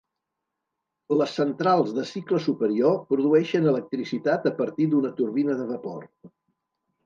Les centrals de cicle superior produeixen electricitat a partir d'una turbina de vapor.